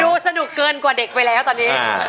ดูสนุกเกินกว่าเด็กไปแล้วตอนนี้